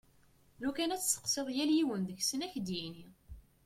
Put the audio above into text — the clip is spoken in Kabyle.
Lukan ad tesseqsiḍ yal yiwen deg-sen ad ak-d-yini.